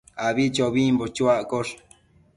abichobimbo chuaccosh